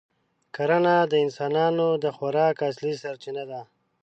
کرنه د انسانانو د خوراک اصلي سرچینه ده.